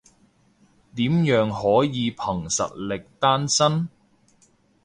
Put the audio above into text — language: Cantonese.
點樣可以憑實力單身？